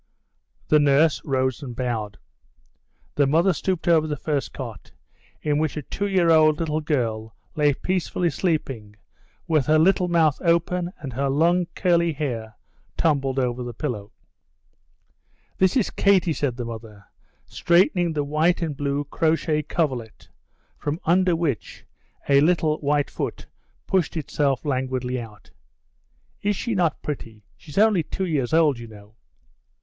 The nurse rose and bowed. The mother stooped over the first cot, in which a two year old little girl lay peacefully sleeping with her little mouth open and her long, curly hair tumbled over the pillow. "This is Katie," said the mother, straightening the white and blue crochet coverlet, from under which a little white foot pushed itself languidly out. "Is she not pretty? She's only two years old, you know."